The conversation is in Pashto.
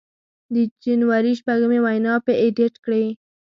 د جنوري شپږمې وینا یې اېډېټ کړې